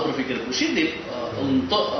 berpikir positif untuk